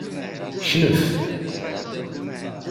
Knef.